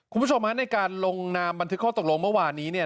คุณผู้ชมฮะในการลงนามบันทึกข้อตกลงเมื่อวานนี้เนี่ย